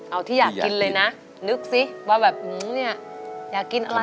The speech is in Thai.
เอาที่อยากกินเลยนะนึกสิว่าแบบหมูเนี่ยอยากกินอะไร